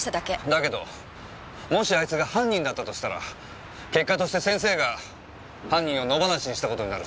だけどもしあいつが犯人だったとしたら結果として先生が犯人を野放しにしたことになるんです！